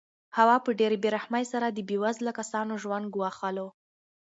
هوا په ډېرې بې رحمۍ سره د بې وزله کسانو ژوند ګواښلو.